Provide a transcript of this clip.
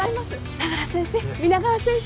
相良先生皆川先生。